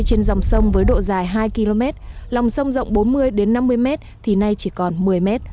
trên dòng sông với độ dài hai km lòng sông rộng bốn mươi năm mươi mét thì nay chỉ còn một mươi m